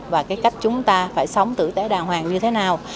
và cái cách chúng ta phải sống tử tế đàng hoàng như thế nào